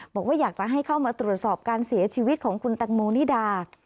บอกว่าอยากจะให้เข้ามาตรวจสอบการเสียชีวิตของคุณตังโมนิดา